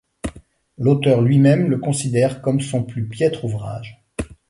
L'auteur lui-même le considère comme son plus piètre ouvrage.